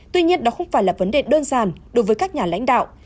tuy nhiên đó không phải là vấn đề đơn giản đối với các nhà lãnh đạo